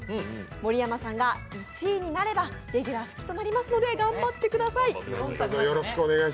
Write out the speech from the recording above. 盛山さんが１位になればレギュラー復帰となりますので頑張ってください。